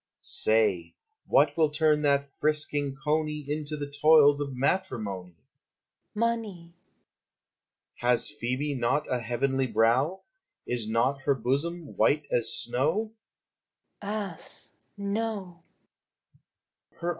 Lover. Say, what will turn that frisking coney Into the toils of matrimony? Echo. Money! Lover. Has Phoebe not a heavenly brow? Is not her bosom white as snow?